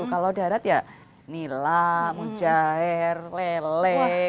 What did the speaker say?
kalau darat ya nila mujahir lelah